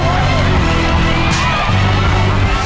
ทางนี้ลูกทางนี้